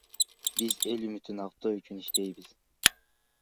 Биз эл үмүтүн актоо үчүн иштейбиз.